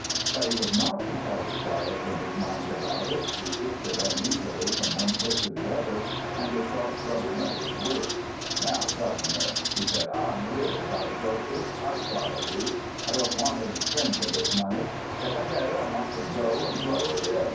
"But he was not entirely quiet in his mind about it. He shifted uneasily from one foot to the other, and his soft rubber nose worked. "'Now, Governor,' he said, 'I'm leery about jokers I gotta be. I don't want any string to this money. If I get it I want to go and blow it in.